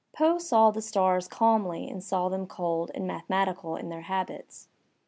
Poe saw the stars calmly and saw them cold and mathematical in their habits.